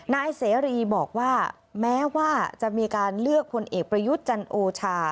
นายเสรีบอกว่าแม้ว่าจะมีการเลือกพลเอกประยุทธ์จันโอชา